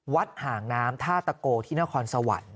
ห่างน้ำท่าตะโกที่นครสวรรค์